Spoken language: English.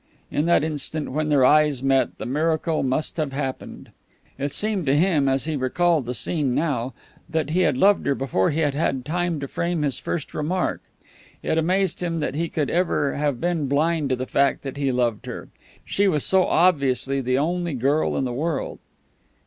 In that instant when their eyes met the miracle must have happened. It seemed to him, as he recalled the scene now, that he had loved her before he had had time to frame his first remark. It amazed him that he could ever have been blind to the fact that he loved her, she was so obviously the only girl in the world.